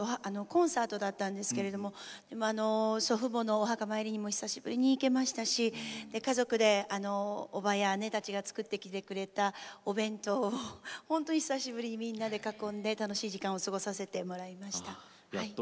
コンサートだったんですけど祖父母のお墓参りにも久しぶりに行けましたし家族でおばや姉たちが作ってきてくれたお弁当を久しぶりに囲んで楽しい時間過ごさせてもらいました。